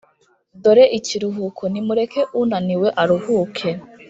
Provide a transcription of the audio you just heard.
«Dore ikiruhuko, nimureke unaniwe aruhuke,